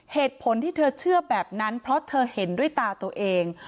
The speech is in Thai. เหตุผลที่เธอเชื่อแบบนั้นเพราะเธอเห็นด้วยตาตัวเอง